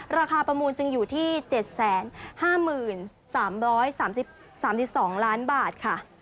ประมูลจึงอยู่ที่๗๕๓๓๒ล้านบาทค่ะ